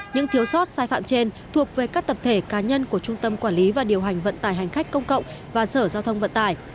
những thiếu sót sai phạm trên thuộc về các tập thể cá nhân của trung tâm quản lý và điều hành vận tải hành khách công cộng và sở giao thông vận tải